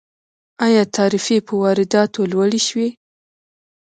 آیا تعرفې په وارداتو لوړې شوي؟